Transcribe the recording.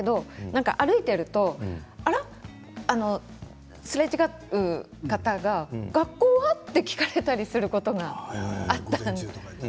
歩いていると、すれ違う方があら学校は？と聞かれたりすることがあったんです。